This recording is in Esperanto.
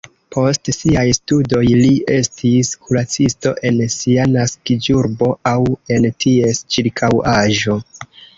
Post siaj studoj li estis kuracisto en sia naskiĝurbo aŭ en ties ĉirkaŭaĵo.